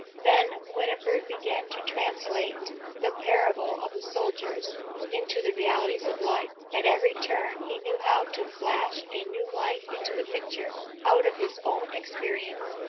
Then Winfried began to translate the parable of the soldier into the realities of life. At every turn he knew how to flash a new light into the picture out of his own experience.